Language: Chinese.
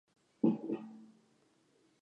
下图为现代商品化的汽水糖。